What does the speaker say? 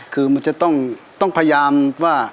คือมันจะต้องพยายามว่า